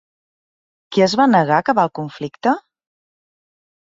Qui es va negar a acabar el conflicte?